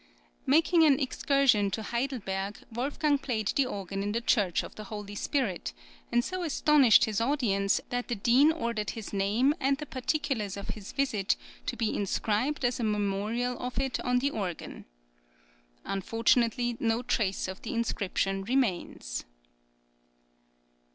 Making an excursion to Heidelberg, Wolfgang played the organ in the Church of the Holy Spirit, and so astonished his audience that the Dean ordered his name and the particulars of his visit to be inscribed as a memorial of it on the organ. Unfortunately no trace of the inscription remains.